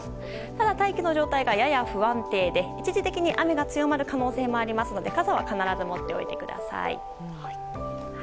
ただ大気の状態がやや不安定で一時的に雨が強まる可能性もありますので傘は必ず持っておいてください。